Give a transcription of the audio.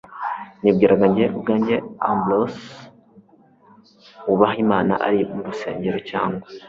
nibwiraga njye ubwanjye Ambrose wubaha Imana ari murusengero cyangwa